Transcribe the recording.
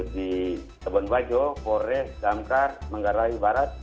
di tepon bajo pore gamkar menggarai barat